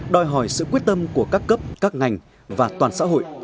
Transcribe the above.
đòi hỏi sự quyết tâm của các cấp các ngành và toàn xã hội